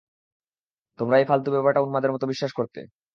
তোমরা এই ফালতু ব্যাপারটা উন্মাদের মতো বিশ্বাস করতে!